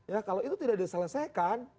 ya kalau itu tidak diselesaikan